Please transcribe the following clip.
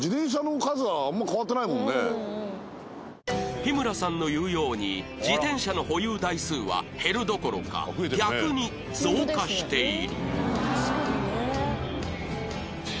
日村さんの言うように自転車の保有台数は減るどころか逆に増加している